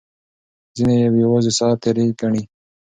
ځینې یې یوازې ساعت تېرۍ ګڼي.